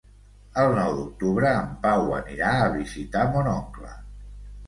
El nou d'octubre en Pau anirà a visitar mon oncle.